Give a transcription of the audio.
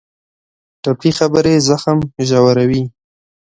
ټپي خبرې زخم ژوروي.